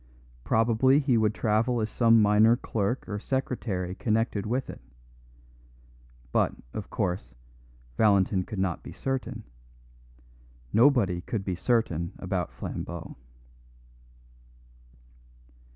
Probably he would travel as some minor clerk or secretary connected with it; but, of course, Valentin could not be certain; nobody could be certain about Flambeau.